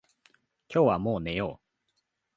今日はもう寝よう。